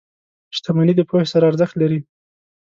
• شتمني د پوهې سره ارزښت لري.